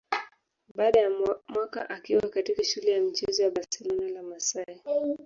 Baada ya mwaka akiwa katika shule ya michezo ya Barcelona La Masia